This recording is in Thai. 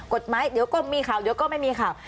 กฎหมายเดี๋ยวก็มีข่าวเดี๋ยวก็ไม่มีข่าว